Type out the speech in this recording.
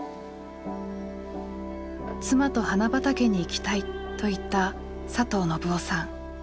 「妻と花畑に行きたい」と言った佐藤信男さん。